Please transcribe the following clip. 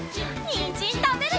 にんじんたべるよ！